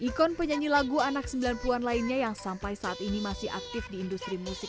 ikon penyanyi lagu anak sembilan puluh an lainnya yang sampai saat ini masih aktif di industri musik